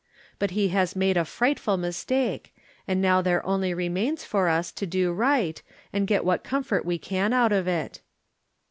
But he has made a frightful mistake, and now there only remains for us to do right, and get what comfort we can out of it."